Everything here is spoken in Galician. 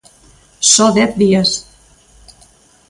Só dez días.